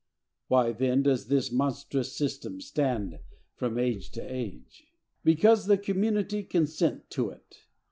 Why, then, does this monstrous system stand from age to age? Because the community CONSENT TO IT.